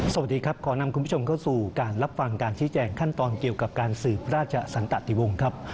สวัสดีครับขอนำคุณผู้ชมเข้าสู่การรับฟังการชี้แจงขั้นตอนเกี่ยวกับการสืบราชสันตะติวงครับ